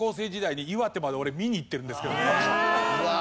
うわ！